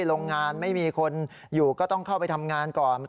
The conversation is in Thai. โรงงานไม่มีคนอยู่ก็ต้องเข้าไปทำงานก่อน